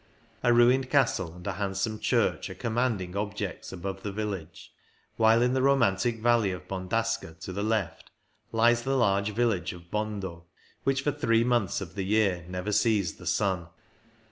A ruined castle and a handsome church are commanding objects above the village, while in the romantic valley of Bondasca to the left lies the large village of Bondo, which for three months of the year never sees the sun.